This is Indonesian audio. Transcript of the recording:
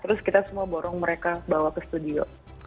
terus kita semua borong mereka bawa ke studio